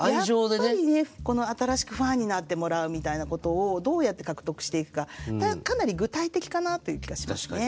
やっぱりね新しくファンになってもらうみたいなことをどうやって獲得していくかかなり具体的かなという気がしますね。